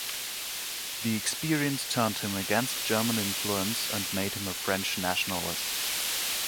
The experience turned him against German influence and made him a French nationalist.